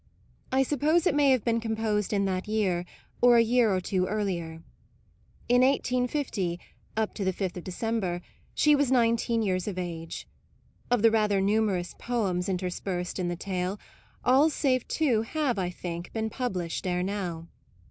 I suppose it may have been composed in that year, or a year or two earlier. In 1850, up to the 5th December, she was nineteen years of age. Of the rather numerous poems interspersed in the tale, all save two have, I think, been pub lished ere now.